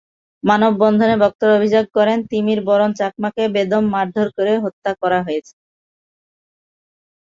মানববন্ধনে বক্তারা অভিযোগ করেন, তিমির বরণ চাকমাকে বেদম মারধর করে হত্যা করা হয়েছে।